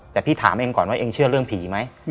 แต่พี่ถามเองก่อนว่าเองเชื่อเรื่องผีไหม